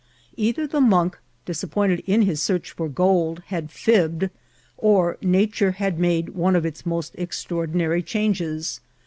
Either the monk, disappointed in his search for gold, had fibbed, or nature had made one of its most extra ordinary changes.